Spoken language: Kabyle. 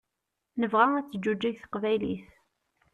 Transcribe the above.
Nebɣa ad teǧǧuǧeg teqbaylit.